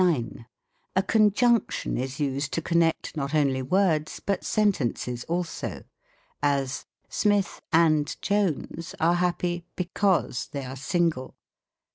9. A Conjunction is used to connect not only words, but sentences also : as. Smith and Jones are happy be cause they are single.